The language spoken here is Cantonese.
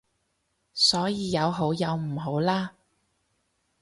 所以有好有唔好啦